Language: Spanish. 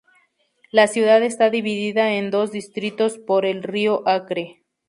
La ciudad está dividida en dos distritos por el río Acre.